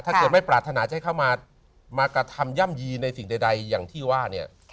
ถ้าเกิดไม่ปรารถนาจะให้เข้ามากระทำย่ำยีในสิ่งใดอย่างที่ว่าเนี่ย